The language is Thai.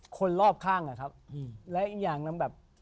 คนรอบข้างนะครับและอีกอย่างแบบ